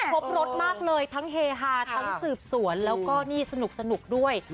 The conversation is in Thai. ครบรถมากเลยทั้งเฮฮาทั้งสืบสวนแล้วก็นี่สนุกด้วย